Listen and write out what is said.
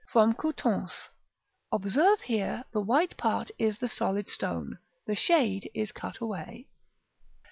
from Coutances (observe, here the white part is the solid stone, the shade is cut away).